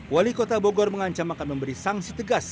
wali kota bogor mengancam akan memberi sanksi tegas